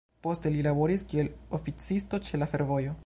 Poste li laboris kiel oficisto ĉe la fervojo.